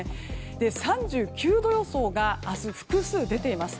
３９度予想が明日、複数出ています。